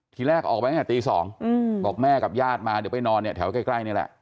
ทีแรกออกไปตี๒บอกแม่กับญาติมาเดี๋ยวไปนอนแถวใกล้นี่แหละ